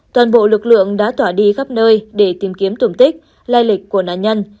toàn bộ lực lượng đã tỏa đi khắp nơi để tìm kiếm tổn tích lai lịch của nạn nhân